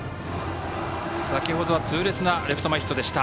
先ほどは痛烈なレフト前ヒットでした。